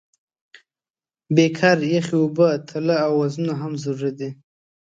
بیکر، یخې اوبه، تله او وزنونه هم ضروري دي.